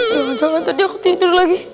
jangan jangan tadi aku tidur lagi